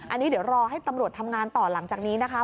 อันนี้เดี๋ยวรอให้ตำรวจทำงานต่อหลังจากนี้นะคะ